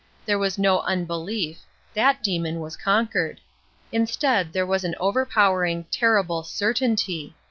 There was no unbelief; that demon was conquered. Instead there was an overpowering, terrible certainty.